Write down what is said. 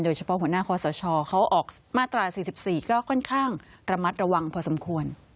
โดยเฉพาะหัวหน้าความสะชอเขาออกมาตรา๔๔ก็ค่อนข้างระมัดระวังพอสมควร